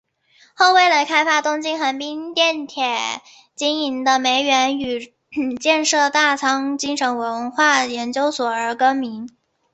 后为了开发东京横滨电铁经营的梅园与建设大仓精神文化研究所而更名。